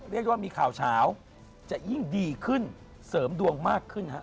ตอนนั้นปีชงเจออะไรบ้าง